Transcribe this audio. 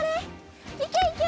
いけいけ！